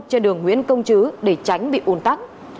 trên đường nguyễn công chứ để tránh bị ồn tắc